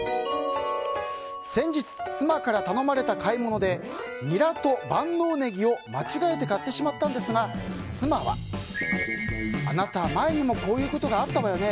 先日、妻から頼まれた買い物でニラと万能ネギを間違えて買ってしまったんですが妻はあなた、前にもこういうことがあったわよね。